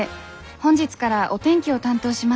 本日からお天気を担当します